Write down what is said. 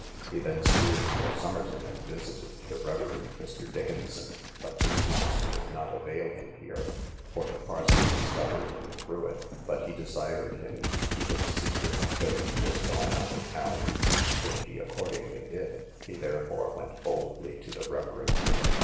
He then steered for Somerton, and visited the Rev. Mr. Dickenson; but this mask would not avail him here, for the parson discovered him through it; but he desired him to keep it secret till he was gone out of town, which he accordingly did: he therefore went boldly to the Rev. Mr.